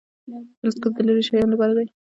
تلسکوپ د لیرې شیانو لپاره دی